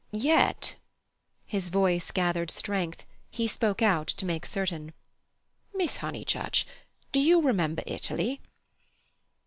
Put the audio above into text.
Yet"—his voice gathered strength: he spoke out to make certain—"Miss Honeychurch, do you remember Italy?"